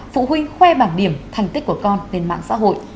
phụ huynh khoe bảng điểm thành tích của con trên mạng xã hội